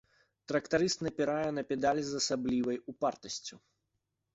Трактарыст напірае на педаль з асаблівай упартасцю.